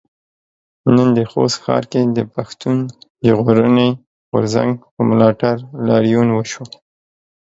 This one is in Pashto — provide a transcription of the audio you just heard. نن د خوست ښار کې د پښتون ژغورنې غورځنګ په ملاتړ لاريون وشو.